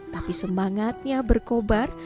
tapi semangatnya berkobar